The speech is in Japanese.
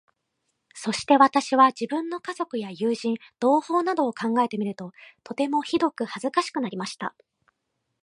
そして私は、自分の家族や友人、同胞などを考えてみると、とてもひどく恥かしくなりました。